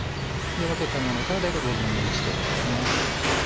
分けたものから大体１／５程度ですね。